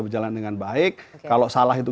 berjalan dengan baik kalau salah itu